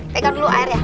pegang dulu airnya